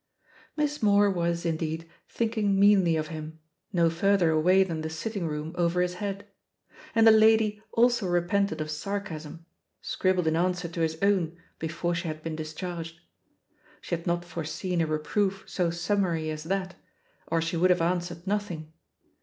Miss Moore was, indeed, thinking meanly of him no further away than the sitting room over his head. And the lady also repented of sarcasm — scribbled in answer to his own before she had been discharged. She had not foreseen a reproof so summary as that, or she would have answered nothing.